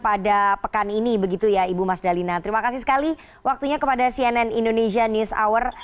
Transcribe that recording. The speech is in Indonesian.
pada pekan ini begitu ya ibu mas dalina terima kasih sekali waktunya kepada cnn indonesia news hour